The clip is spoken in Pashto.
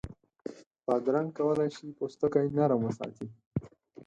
بادرنګ کولای شي پوستکی نرم وساتي.